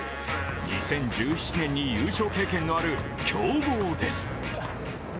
２０１７年に優勝経験のある強豪です。